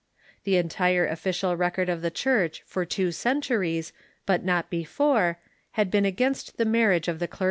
f The entire official record of the Church for two centuries, but not before, had been against the marriage of the clergy.